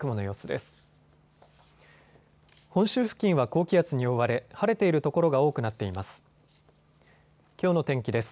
本州付近は高気圧に覆われ晴れている所が多くなっています。